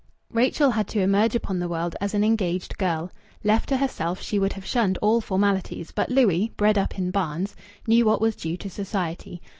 Rachel had to emerge upon the world as an engaged girl. Left to herself she would have shunned all formalities; but Louis, bred up in Barnes, knew what was due to society.